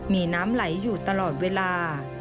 มีน้ำไหลอยู่ตลอดเวลา